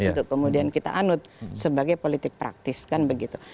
untuk kemudian kita anut sebagai politik praktis kan begitu